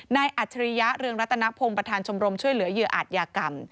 อัจฉริยะเรืองรัตนพงศ์ประธานชมรมช่วยเหลือเหยื่ออาจยากรรม